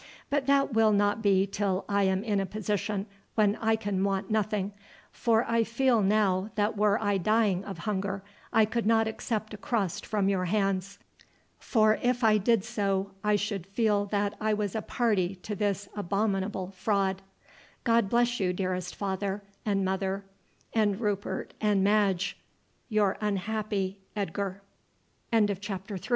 But that will not be till I am in a position when I can want nothing, for I feel now that were I dying of hunger I could not accept a crust from your hands, for if I did so I should feel I was a party to this abominable fraud. God bless you, dearest father and mother and Rupert and Madge! Your unhappy Edgar." CHAPTER IV. BACK AT SCHOOL.